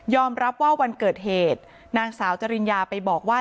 รับว่าวันเกิดเหตุนางสาวจริญญาไปบอกว่า